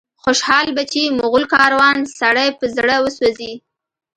خوشال بچي، مغول کاروان، سړی په زړه وسوځي